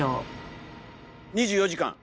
２４時間。